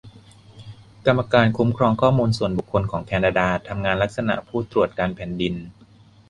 กรรมการคุ้มครองข้อมูลส่วนบุคคลของแคนาดาทำงานลักษณะผู้ตรวจการแผ่นดิน